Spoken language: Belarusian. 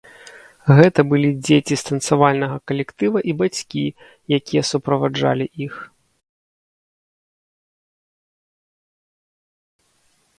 Гэта былі дзеці з танцавальнага калектыва і бацькі, якія суправаджалі іх.